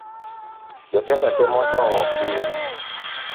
Josiasa temo dong’o piny